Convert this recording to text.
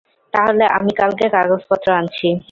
তাহলে আমি কালকে কাগজপত্র আনছি।